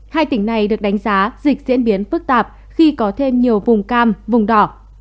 hai tỉnh này được đánh giá dịch diễn biến phức tạp khi có thêm nhiều vùng cam vùng đỏ